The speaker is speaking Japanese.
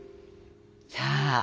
さあ。